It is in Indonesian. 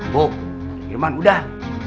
bung irman udah